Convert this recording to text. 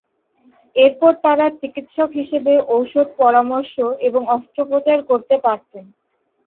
এরপর তারা চিকিৎসক হিসেবে ওষুধ-পরামর্শ এবং অস্ত্রোপচার করতে পারতেন।